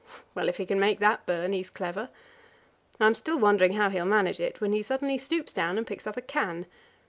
Well, if he can make that barn, he's clever. I am still wondering how he will manage it, when he suddenly stoops down and picks up a can.